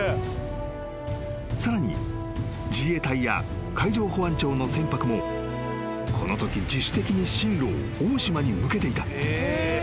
［さらに自衛隊や海上保安庁の船舶もこのとき自主的に進路を大島に向けていた］